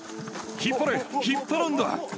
引っ張れ、引っ張るんだ。